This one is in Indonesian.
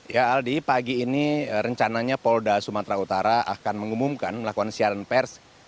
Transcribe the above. ya aldi pagi ini rencananya polda sumatera utara akan mengumumkan melakukan siaran pers